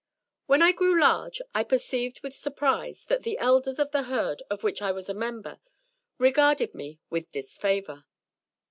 When I grew large I perceived with surprise that the Elders of the Herd of which I was a member regarded me with disfavour.